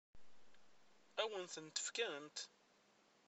Ad wen-tent-fkent?